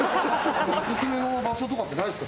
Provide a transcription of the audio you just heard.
オススメの場所とかってないですか？